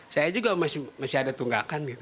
saya juga masih ada tunggakan gitu